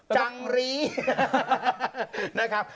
จังรีนะครับ